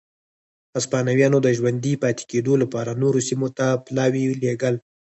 هسپانویانو د ژوندي پاتې کېدو لپاره نورو سیمو ته پلاوي لېږل.